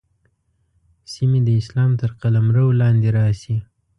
سیمې د اسلام تر قلمرو لاندې راشي.